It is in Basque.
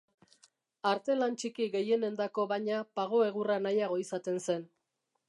Arte-lan txiki gehienendako, baina, pago-egurra nahiago izaten zen.